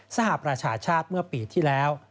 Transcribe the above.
สหประชาชาติเมื่อปีที่แล้ว